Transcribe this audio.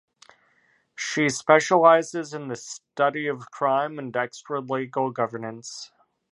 She specializes in the study of crime and extralegal governance.